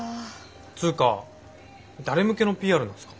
つうか誰向けのＰＲなんですか？